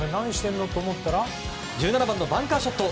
１７番のバンカーショット。